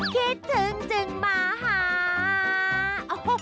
คิดถึงจึงมาหา